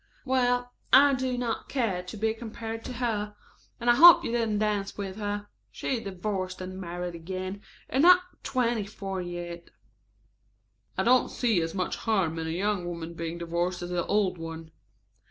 "Well, I do not care to be compared with her. And I hope you didn't dance with her. She, divorced and married again, and not twenty four yet!" "I don't see as much harm in a young woman being divorced as an old one."